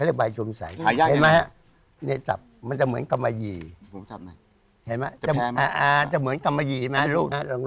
ทำไมใบนี้ถึงหายาก